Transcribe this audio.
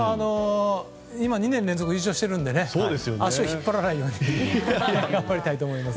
２年連続優勝しているので足を引っ張らないように頑張りたいと思います。